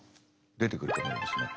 出てくると思うんですね。